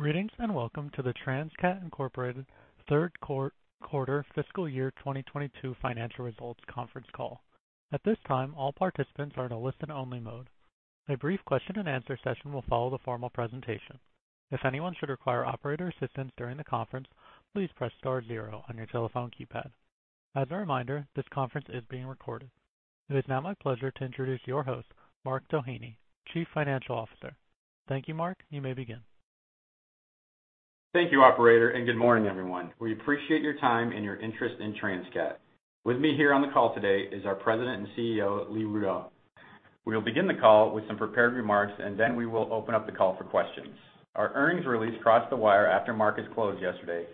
Greetings, and Welcome to the Transcat, Inc. Third Quarter Fiscal Year 2022 Financial Results Conference Call. At this time, all participants are in a listen-only mode. A brief question and answer session will follow the formal presentation. If anyone should require operator assistance during the conference, please press star zero on your telephone keypad. As a reminder, this conference is being recorded. It is now my pleasure to introduce your host, Mark Doheny, Chief Financial Officer. Thank you, Mark. You may begin. Thank you Operator, and good morning, everyone. We appreciate your time and your interest in Transcat. With me here on the call today is our President and CEO, Lee Rudow. We will begin the call with some prepared remarks, and then we will open up the call for questions. Our earnings release crossed the wire after markets closed yesterday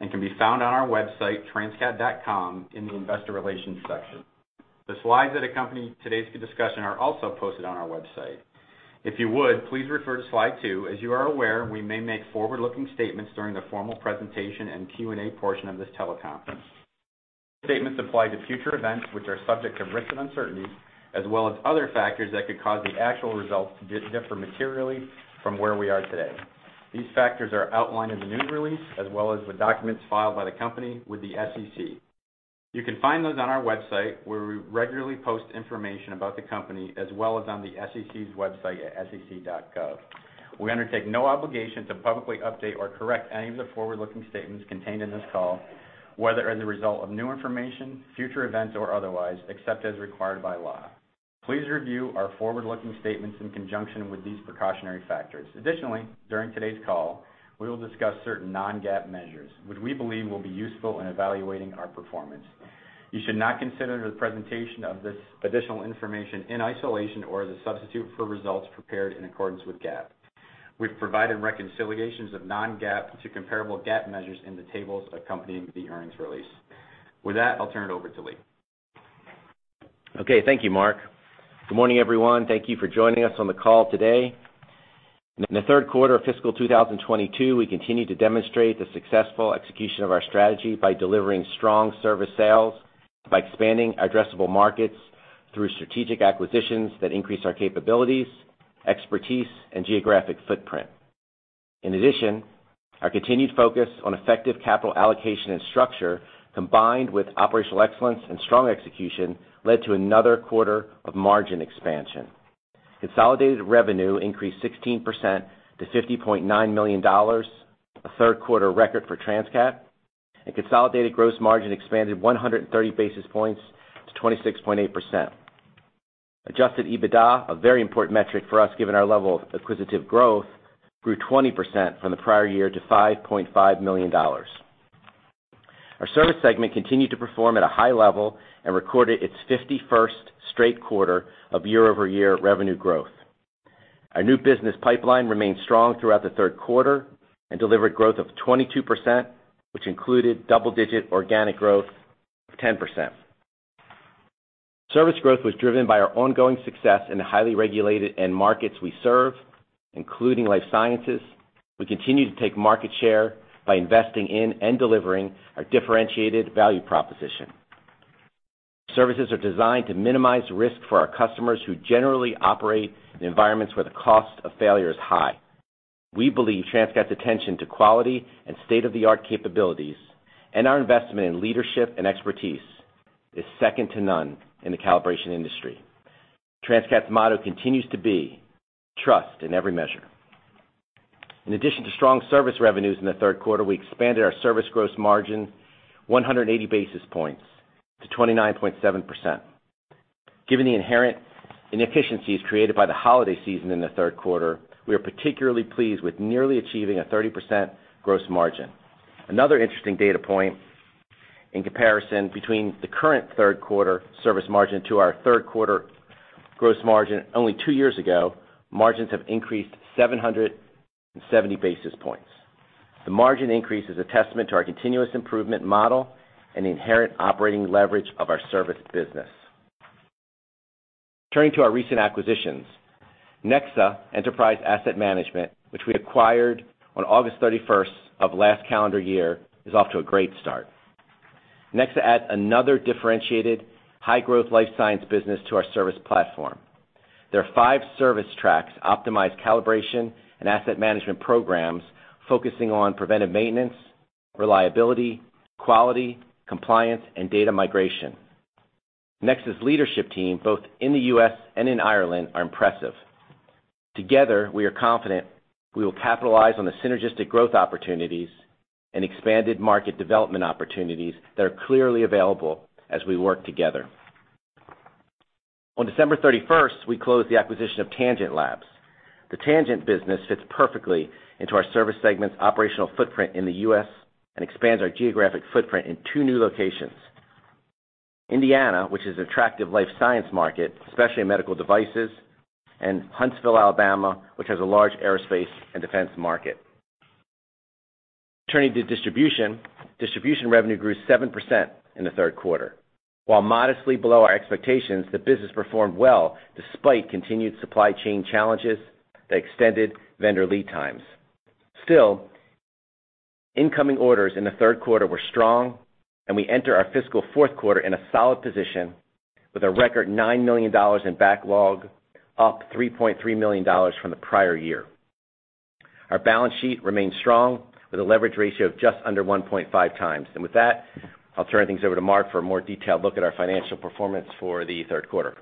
and can be found on our website, transcat.com in the investor relations section. The slides that accompany today's discussion are also posted on our website. If you would, please refer to slide two. As you are aware, we may make forward-looking statements during the formal presentation and Q&A portion of this teleconference. Statements apply to future events which are subject to risks and uncertainties, as well as other factors that could cause the actual results to differ materially from where we are today. These factors are outlined in the news release, as well as the documents filed by the company with the SEC. You can find those on our website, where we regularly post information about the company as well as on the SEC's website at sec.gov. We undertake no obligation to publicly update or correct any of the forward-looking statements contained in this call, whether as a result of new information, future events, or otherwise, except as required by law. Please review our forward-looking statements in conjunction with these precautionary factors. Additionally, during today's call, we will discuss certain non-GAAP measures, which we believe will be useful in evaluating our performance. You should not consider the presentation of this additional information in isolation or as a substitute for results prepared in accordance with GAAP. We've provided reconciliations of non-GAAP to comparable GAAP measures in the tables accompanying the earnings release. With that, I'll turn it over to Lee. Okay. Thank you, Mark. Good morning, everyone. Thank you for joining us on the call today. In the third quarter of fiscal 2022, we continued to demonstrate the successful execution of our strategy by delivering strong service sales, by expanding our addressable markets through strategic acquisitions that increase our capabilities, expertise, and geographic footprint. In addition, our continued focus on effective capital allocation and structure, combined with operational excellence and strong execution led to another quarter of margin expansion. Consolidated revenue increased 16% to $50.9 million, a third quarter record for Transcat, and consolidated gross margin expanded 130 basis points to 26.8%. Adjusted EBITDA, a very important metric for us given our level of acquisitive growth, grew 20% from the prior year to $5.5 million. Our service segment continued to perform at a high level and recorded its 51st straight quarter of year-over-year revenue growth. Our new business pipeline remained strong throughout the third quarter and delivered growth of 22%, which included double-digit organic growth of 10%. Service growth was driven by our ongoing success in the highly regulated end markets we serve, including life sciences. We continue to take market share by investing in and delivering our differentiated value proposition. Services are designed to minimize risk for our customers, who generally operate in environments where the cost of failure is high. We believe Transcat's attention to quality and state-of-the-art capabilities and our investment in leadership and expertise is second to none in the calibration industry. Transcat's motto continues to be, Trust in every measure. In addition to strong service revenues in the third quarter, we expanded our service gross margin 180 basis points to 29.7%. Given the inherent inefficiencies created by the holiday season in the third quarter, we are particularly pleased with nearly achieving a 30% gross margin. Another interesting data point in comparison between the current third quarter service margin to our third quarter gross margin only two years ago, margins have increased 770 basis points. The margin increase is a testament to our continuous improvement model and the inherent operating leverage of our service business. Turning to our recent acquisitions, NEXA Enterprise Asset Management, which we acquired on August 31st of last calendar year, is off to a great start. NEXA adds another differentiated high-growth life science business to our service platform. There are five service tracks, optimized calibration, and asset management programs focusing on preventive maintenance, reliability, quality, compliance, and data migration. NEXA's leadership team, both in the U.S. and in Ireland, are impressive. Together, we are confident we will capitalize on the synergistic growth opportunities and expanded market development opportunities that are clearly available as we work together. On December 31st, we closed the acquisition of Tangent Labs. The Tangent business fits perfectly into our service segment's operational footprint in the U.S. and expands our geographic footprint in two new locations. Indiana, which is an attractive life sciences market, especially in medical devices, and Huntsville, Alabama, which has a large aerospace and defense market. Turning to distribution. Distribution revenue grew 7% in the third quarter. While modestly below our expectations, the business performed well despite continued supply chain challenges that extended vendor lead times. Still, incoming orders in the third quarter were strong, and we enter our fiscal fourth quarter in a solid position with a record $9 million in backlog, up $3.3 million from the prior year. Our balance sheet remains strong, with a leverage ratio of just under 1.5 times. With that, I'll turn things over to Mark for a more detailed look at our financial performance for the third quarter.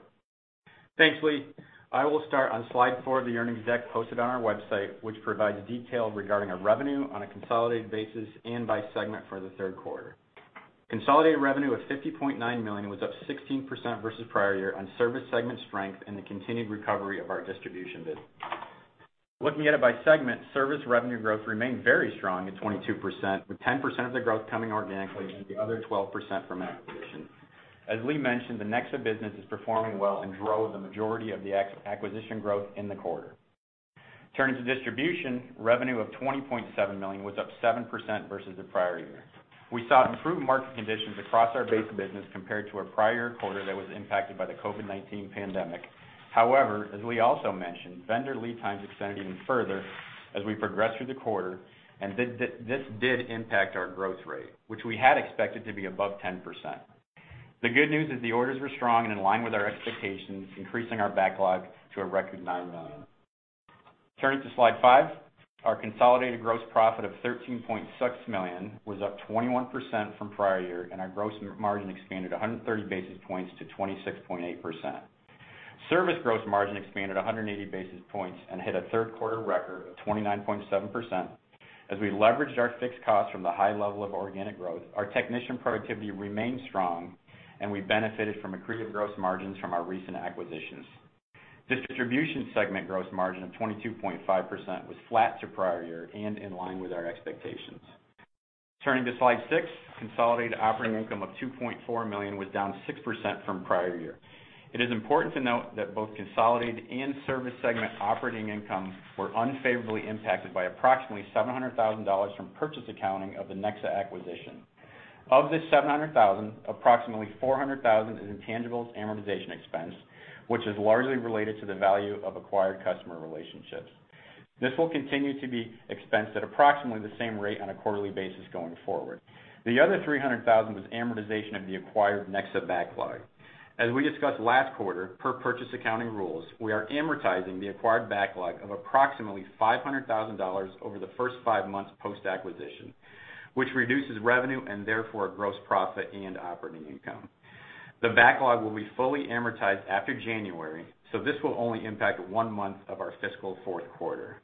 Thanks, Lee. I will start on slide four of the earnings deck posted on our website, which provides detail regarding our revenue on a consolidated basis and by segment for the third quarter. Consolidated revenue of $50.9 million was up 16% versus prior year on Service segment strength and the continued recovery of our Distribution business. Looking at it by segment, Service revenue growth remained very strong at 22%, with 10% of the growth coming organically and the other 12% from acquisitions. As Lee mentioned, the NEXA business is performing well and drove the majority of the acquisition growth in the quarter. Turning to distribution, revenue of $20.7 million was up 7% versus the prior year. We saw improved market conditions across our base business compared to our prior quarter that was impacted by the COVID-19 pandemic. However, as Lee also mentioned, vendor lead times extended even further as we progressed through the quarter, and this did impact our growth rate, which we had expected to be above 10%. The good news is the orders were strong and in line with our expectations, increasing our backlog to a record $9 million. Turning to slide five. Our consolidated gross profit of $13.6 million was up 21% from prior year, and our gross margin expanded 130 basis points to 26.8%. Service gross margin expanded 180 basis points and hit a third quarter record of 29.7%. As we leveraged our fixed costs from the high level of organic growth, our technician productivity remained strong, and we benefited from accretive gross margins from our recent acquisitions. The distribution segment gross margin of 22.5% was flat to prior year and in line with our expectations. Turning to slide six, consolidated operating income of $2.4 million was down 6% from prior year. It is important to note that both consolidated and service segment operating incomes were unfavorably impacted by approximately $700,000 from purchase accounting of the NEXA acquisition. Of this $700,000, approximately $400,000 is intangibles amortization expense, which is largely related to the value of acquired customer relationships. This will continue to be expensed at approximately the same rate on a quarterly basis going forward. The other $300,000 was amortization of the acquired NEXA backlog. As we discussed last quarter, per purchase accounting rules, we are amortizing the acquired backlog of approximately $500,000 over the first five months post-acquisition, which reduces revenue and therefore gross profit and operating income. The backlog will be fully amortized after January, so this will only impact one month of our fiscal fourth quarter.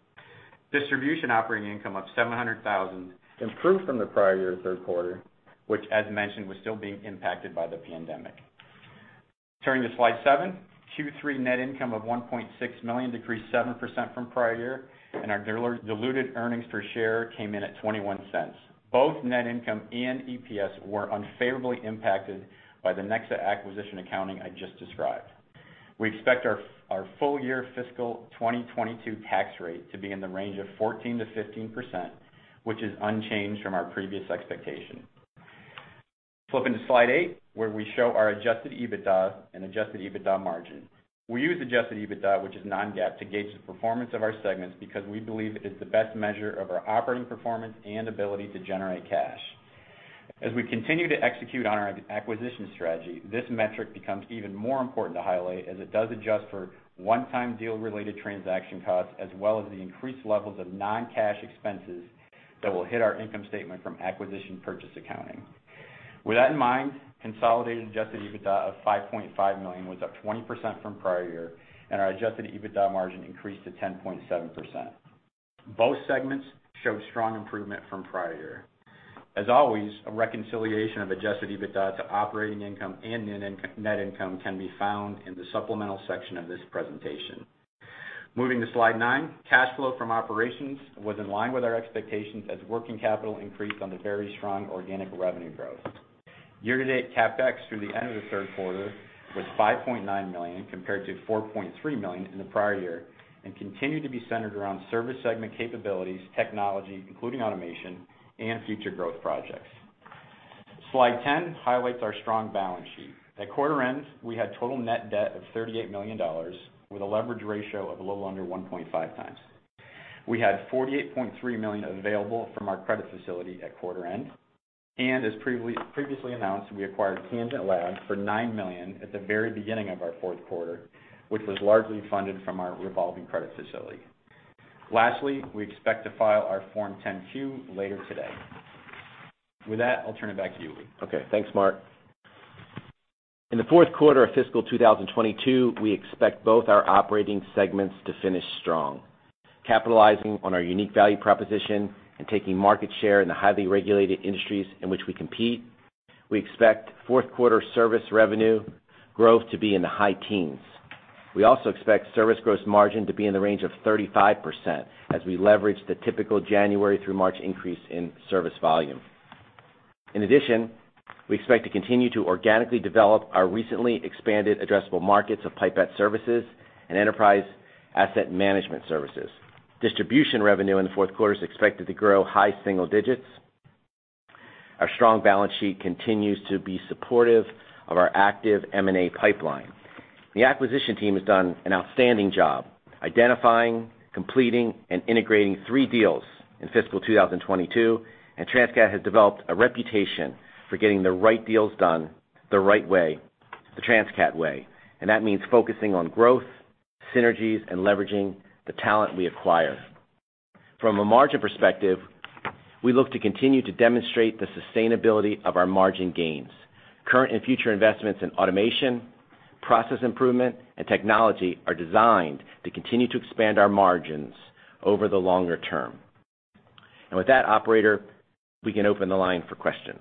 Distribution operating income of $700,000 improved from the prior-year third quarter, which as mentioned, was still being impacted by the pandemic. Turning to slide seven, Q3 net income of $1.6 million decreased 7% from prior year, and our diluted earnings per share came in at $0.21. Both net income and EPS were unfavorably impacted by the NEXA acquisition accounting I just described. We expect our full year fiscal 2022 tax rate to be in the range of 14%-15%, which is unchanged from our previous expectation. Flipping to slide eight, where we show our Adjusted EBITDA and Adjusted EBITDA margin. We use Adjusted EBITDA, which is non-GAAP, to gauge the performance of our segments because we believe it is the best measure of our operating performance and ability to generate cash. As we continue to execute on our acquisition strategy, this metric becomes even more important to highlight as it does adjust for one-time deal related transaction costs as well as the increased levels of non-cash expenses that will hit our income statement from acquisition purchase accounting. With that in mind, consolidated Adjusted EBITDA of $5.5 million was up 20% from prior year, and our Adjusted EBITDA margin increased to 10.7%. Both segments showed strong improvement from prior year. As always, a reconciliation of Adjusted EBITDA to operating income and net income can be found in the supplemental section of this presentation. Moving to slide n, cash flow from operations was in line with our expectations as working capital increased on the very strong organic revenue growth. Year-to-date CapEx through the end of the third quarter was $5.9 million, compared to $4.3 million in the prior year, and continued to be centered around service segment capabilities, technology, including automation and future growth projects. Slide 10 highlights our strong balance sheet. At quarter end, we had total net debt of $38 million with a leverage ratio of a little under 1.5 times. We had $48.3 million available from our credit facility at quarter end. As previously announced, we acquired Tangent Labs for $9 million at the very beginning of our fourth quarter, which was largely funded from our revolving credit facility. Lastly, we expect to file our Form 10-Q later today. With that, I'll turn it back to you, Lee. Okay. Thanks, Mark. In the fourth quarter of fiscal 2022, we expect both our operating segments to finish strong. Capitalizing on our unique value proposition and taking market share in the highly regulated industries in which we compete, we expect fourth quarter service revenue growth to be in the high teens. We also expect service gross margin to be in the range of 35% as we leverage the typical January through March increase in service volume. In addition, we expect to continue to organically develop our recently expanded addressable markets of pipette services and enterprise asset management services. Distribution revenue in the fourth quarter is expected to grow high single digits. Our strong balance sheet continues to be supportive of our active M&A pipeline. The acquisition team has done an outstanding job identifying, completing, and integrating three deals in fiscal 2022, and Transcat has developed a reputation for getting the right deals done the right way, the Transcat way, and that means focusing on growth, synergies, and leveraging the talent we acquire. From a margin perspective, we look to continue to demonstrate the sustainability of our margin gains. Current and future investments in automation, process improvement, and technology are designed to continue to expand our margins over the longer term. With that, Operator, we can open the line for questions.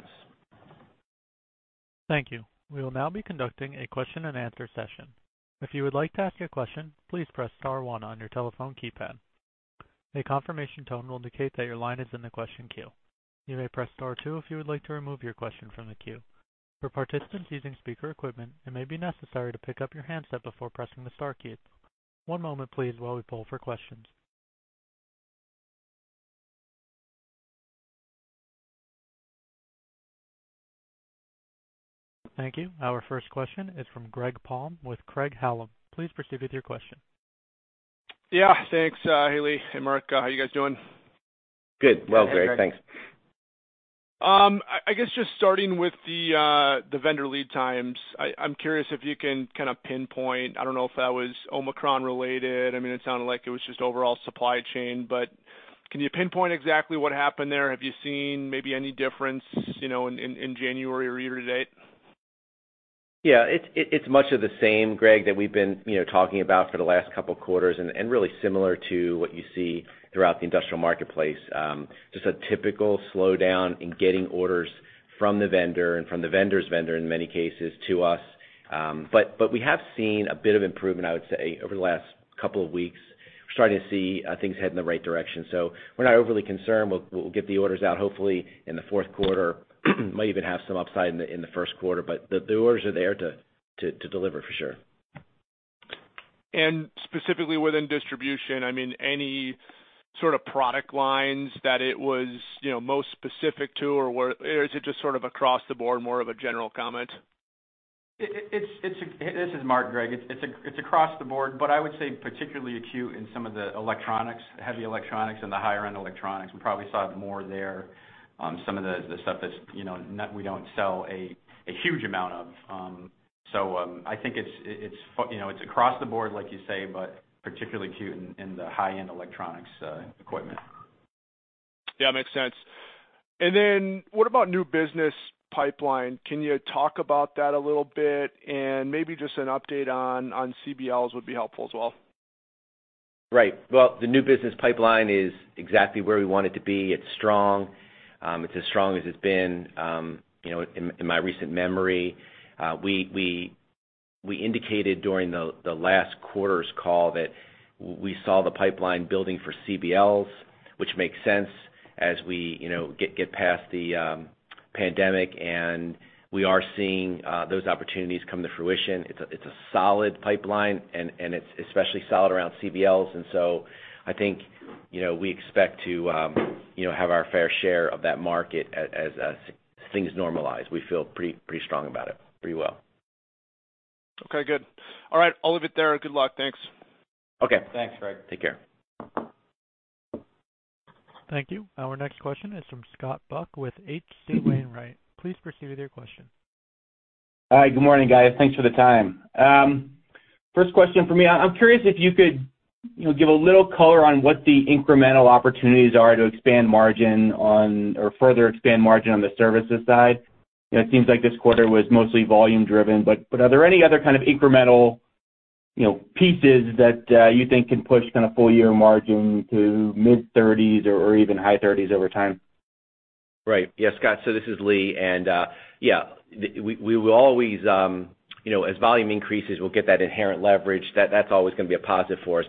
Our first question is from Greg Palm with Craig-Hallum. Please proceed with your question. Yeah. Thanks, Lee and Mark. How you guys doing? Good. Well, Greg, thanks. I guess just starting with the vendor lead times. I'm curious if you can kind of pinpoint. I don't know if that was Omicron related. I mean, it sounded like it was just overall supply chain, but can you pinpoint exactly what happened there? Have you seen maybe any difference, you know, in January or year to date? Yeah. It's much of the same, Greg, that we've been, you know, talking about for the last couple of quarters and really similar to what you see throughout the industrial marketplace. Just a typical slowdown in getting orders from the vendor and from the vendor's vendor in many cases to us. But we have seen a bit of improvement, I would say, over the last couple of weeks. We're starting to see things head in the right direction. So we're not overly concerned. We'll get the orders out hopefully in the fourth quarter. Might even have some upside in the first quarter, but the orders are there to deliver for sure. Specifically within distribution, I mean, any sort of product lines that it was, you know, most specific to, or is it just sort of across the board more of a general comment? Hey, this is Mark, Greg. It's across the board. I would say particularly acute in some of the electronics, heavy electronics and the higher-end electronics. We probably saw it more there on some of the stuff that's, you know, not we don't sell a huge amount of. I think it's, you know, it's across the board, like you say, but particularly acute in the high-end electronics equipment. Yeah, makes sense. Then what about new business pipeline? Can you talk about that a little bit? Maybe just an update on CBLs would be helpful as well. Right. Well, the new business pipeline is exactly where we want it to be. It's strong. It's as strong as it's been, you know, in my recent memory. We indicated during the last quarter's call that we saw the pipeline building for CBLs, which makes sense as we, you know, get past the pandemic, and we are seeing those opportunities come to fruition. It's a solid pipeline and it's especially solid around CBLs. I think, you know, we expect to have our fair share of that market as things normalize. We feel pretty strong about it. Pretty well. Okay, good. All right. I'll leave it there. Good luck. Thanks. Okay. Thanks, Greg. Take care. Thank you. Our next question is from Scott Buck with H.C. Wainwright. Please proceed with your question. Hi. Good morning, guys. Thanks for the time. First question from me. I'm curious if you could, you know, give a little color on what the incremental opportunities are to expand margin on or further expand margin on the services side. You know, it seems like this quarter was mostly volume driven, but are there any other kind of incremental, you know, pieces that you think can push kind of full-year margin to mid-30s% or even high 30s% over time? Right. Yeah, Scott, so this is Lee. Yeah, we will always, you know, as volume increases, we'll get that inherent leverage. That's always gonna be a positive for us.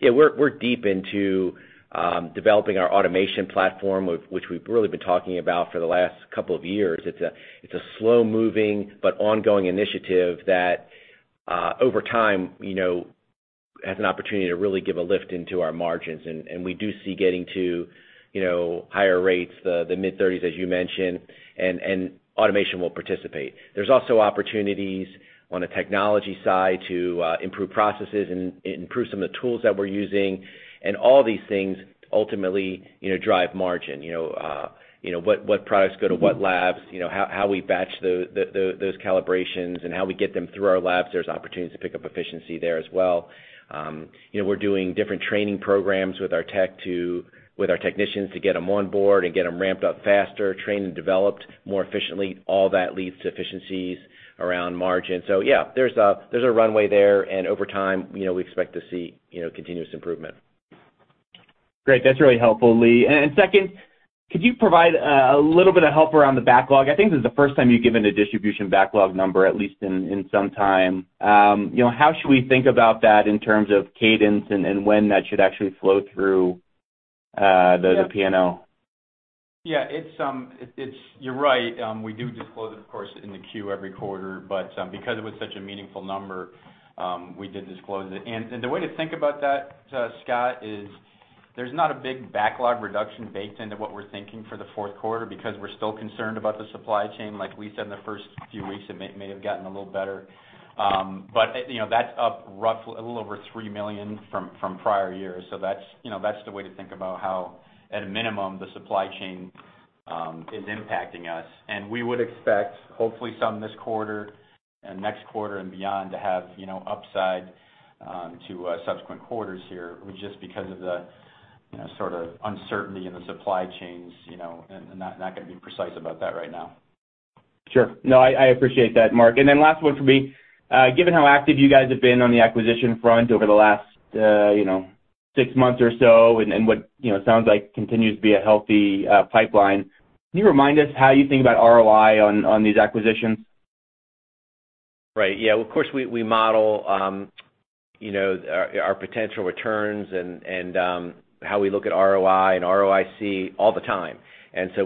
Yeah, we're deep into developing our automation platform, which we've really been talking about for the last couple of years. It's a slow-moving but ongoing initiative that over time, you know, has an opportunity to really give a lift into our margins. We do see getting to higher rates, the mid-thirties, as you mentioned, and automation will participate. There's also opportunities on the technology side to improve processes and improve some of the tools that we're using. All these things ultimately, you know, drive margin. You know, you know what products go to what labs, you know how we batch those calibrations and how we get them through our labs. There are opportunities to pick up efficiency there as well. You know, we're doing different training programs with our technicians to get them on board and get them ramped up faster, trained and developed more efficiently. All that leads to efficiencies around margin. Yeah, there's a runway there, and over time, you know, we expect to see, you know, continuous improvement. Great. That's really helpful, Lee. Second, could you provide a little bit of help around the backlog? I think this is the first time you've given a distribution backlog number, at least in some time. You know, how should we think about that in terms of cadence and when that should actually flow through the P&L? Yeah, it's. You're right. We do disclose it, of course, in the Q every quarter, but because it was such a meaningful number, we did disclose it. The way to think about that, Scott, is- There's not a big backlog reduction baked into what we're thinking for the fourth quarter because we're still concerned about the supply chain. Like we said in the first few weeks, it may have gotten a little better. But you know, that's up roughly a little over $3 million from prior years. That's you know, that's the way to think about how at a minimum the supply chain is impacting us. We would expect hopefully some this quarter and next quarter and beyond to have you know, upside to subsequent quarters here just because of the you know, sort of uncertainty in the supply chains you know, and not gonna be precise about that right now. Sure. No, I appreciate that, Mark. Last one for me. Given how active you guys have been on the acquisition front over the last six months or so and what sounds like continues to be a healthy pipeline, can you remind us how you think about ROI on these acquisitions? Right. Yeah, of course, we model, you know, our potential returns and how we look at ROI and ROIC all the time.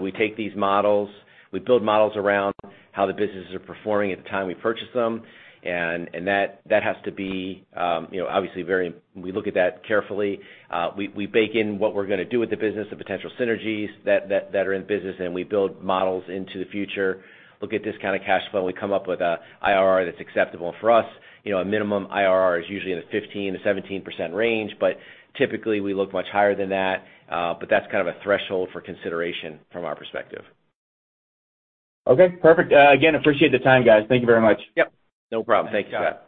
We take these models. We build models around how the businesses are performing at the time we purchase them, and that has to be, you know, obviously very. We look at that carefully. We bake in what we're gonna do with the business, the potential synergies that are in the business, and we build models into the future. We'll get discounted cash flow, and we come up with a IRR that's acceptable for us. You know, a minimum IRR is usually in the 15%-17% range, but typically we look much higher than that. That's kind of a threshold for consideration from our perspective. Okay, perfect. Again, appreciate the time, guys. Thank you very much. Yep, no problem. Thank you, Scott.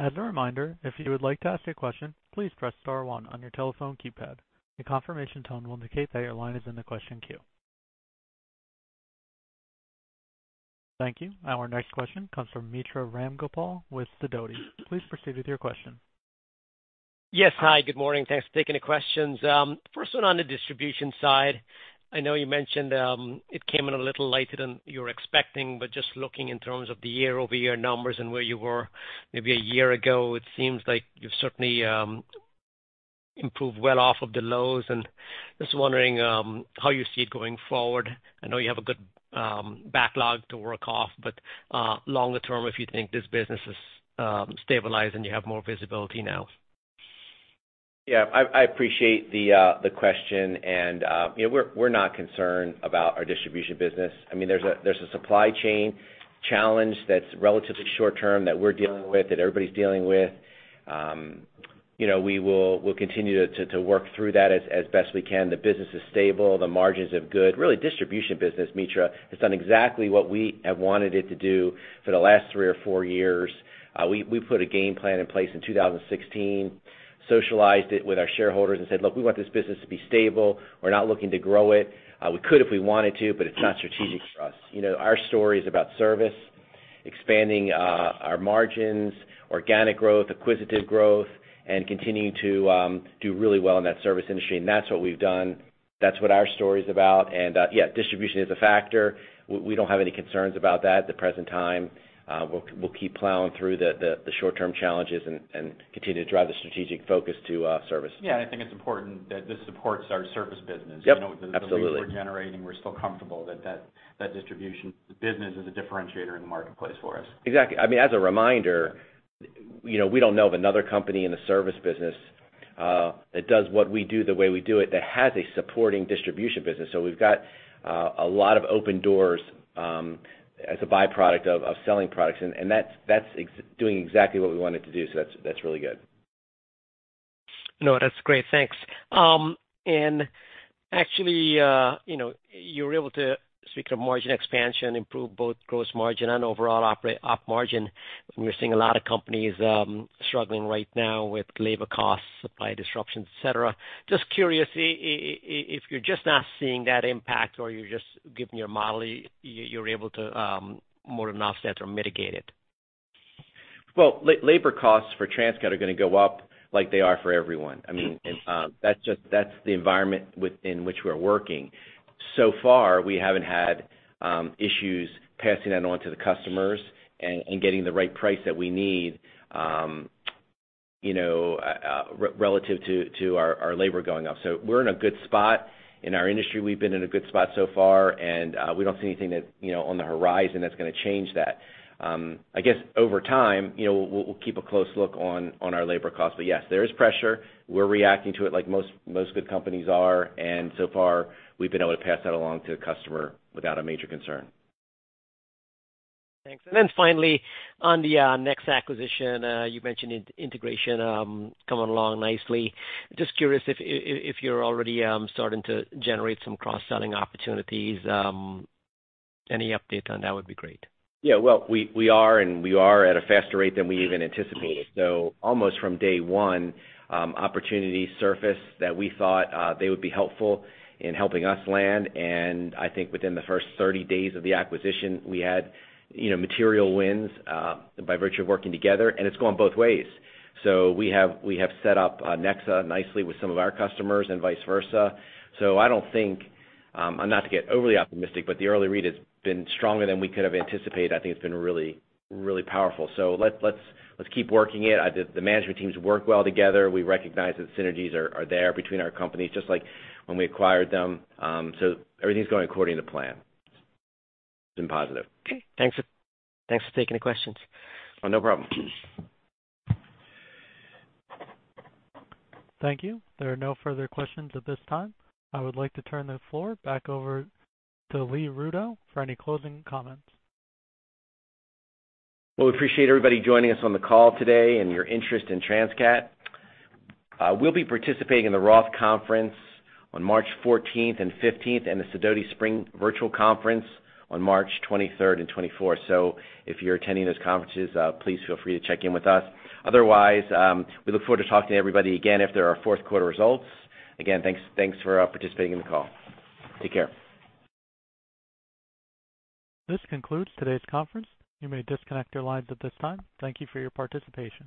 As a reminder, if you would like to ask a question, please press star one on your telephone keypad. A confirmation tone will indicate that your line is in the question queue. Thank you. Our next question comes from Mitra Ramgopal with Sidoti. Please proceed with your question. Yes. Hi, good morning. Thanks for taking the questions. First one on the distribution side. I know you mentioned it came in a little later than you were expecting, but just looking in terms of the year-over-year numbers and where you were maybe a year ago, it seems like you've certainly improved well off of the lows. Just wondering how you see it going forward. I know you have a good backlog to work off, but longer term, if you think this business is stabilized and you have more visibility now. Yeah. I appreciate the question and, you know, we're not concerned about our distribution business. I mean, there's a supply chain challenge that's relatively short-term that we're dealing with, that everybody's dealing with. You know, we'll continue to work through that as best we can. The business is stable, the margins are good. Really, distribution business, Mitra, has done exactly what we have wanted it to do for the last three or four years. We put a game plan in place in 2016, socialized it with our shareholders and said, Look, we want this business to be stable. We're not looking to grow it. We could if we wanted to, but it's not strategic for us. You know, our story is about service, expanding our margins, organic growth, acquisitive growth, and continuing to do really well in that service industry. That's what we've done. That's what our story is about. Yeah, distribution is a factor. We don't have any concerns about that at the present time. We'll keep Plowing through the short-term challenges and continue to drive the strategic focus to service. Yeah, I think it's important that this supports our service business. Yep, absolutely. You know, the leads we're generating, we're still comfortable that distribution business is a differentiator in the marketplace for us. Exactly. I mean, as a reminder, you know, we don't know of another company in the service business that does what we do the way we do it that has a supporting distribution business. We've got a lot of open doors as a byproduct of selling products, and that's doing exactly what we want it to do. That's really good. No, that's great. Thanks. Actually, you're able to speak of margin expansion, improve both gross margin and overall op margin. We're seeing a lot of companies struggling right now with labor costs, supply disruptions, et cetera. Just curious, if you're just not seeing that impact or you're just giving your model, you're able to more than offset or mitigate it. Well, labor costs for Transcat are gonna go up like they are for everyone. I mean, that's just the environment within which we're working. So far we haven't had issues passing that on to the customers and getting the right price that we need, you know, relative to our labor going up. We're in a good spot. In our industry, we've been in a good spot so far, and we don't see anything that, you know, on the horizon that's gonna change that. I guess over time, you know, we'll keep a close look on our labor costs. Yes, there is pressure. We're reacting to it like most good companies are, and so far we've been able to pass that along to the customer without a major concern. Thanks. Finally, on the next acquisition, you mentioned integration coming along nicely. Just curious if you're already starting to generate some cross-selling opportunities. Any update on that would be great. Yeah. Well, we are at a faster rate than we even anticipated. Almost from day one, opportunities surfaced that we thought they would be helpful in helping us land. I think within the first 30 days of the acquisition, we had, you know, material wins by virtue of working together, and it's gone both ways. We have set up NEXA nicely with some of our customers and vice versa. I don't think, not to get overly optimistic, but the early read has been stronger than we could have anticipated. I think it's been really powerful. Let's keep working it. The management teams work well together. We recognize that synergies are there between our companies, just like when we acquired them. Everything's going according to plan. It's been positive. Okay. Thanks for taking the questions. Oh, no problem. Thank you. There are no further questions at this time. I would like to turn the floor back over to Lee Rudow for any closing comments. Well, we appreciate everybody joining us on the call today and your interest in Transcat. We'll be participating in the Roth Conference on March 14 and 15 and the Sidoti Spring Virtual Conference on March 23 and 24. If you're attending those conferences, please feel free to check in with us. Otherwise, we look forward to talking to everybody again after our fourth quarter results. Again, thanks for participating in the call. Take care. This concludes today's conference. You may disconnect your lines at this time. Thank you for your participation.